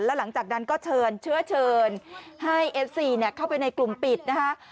แล้วหลังจากนั้นก็เชิญเชื้อเชิญให้เอฟซีเข้าไปในกลุ่มปิดนะคะ